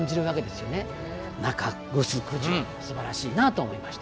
中城城すばらしいなと思いました。